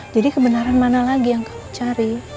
jadi kebenaran mana lagi yang kamu cari